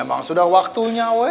ya memang sudah waktunya weh